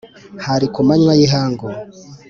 _hari ku manywa y’ihangu